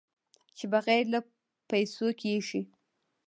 چې بغیر له پېسو کېږي.